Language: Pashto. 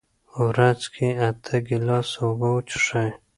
ورځ کې اته ګیلاسه اوبه وڅښئ.